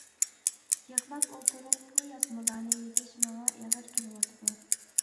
يىغلاپ ئولتۇرۇپ بۇ يازمىلارنى يېزىش ماڭا ئېغىر كېلىۋاتىدۇ.